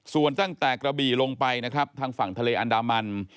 ส่วนตั้งแต่กระบี่ลงไปนะครับทางฝั่งทะเลอันดามัน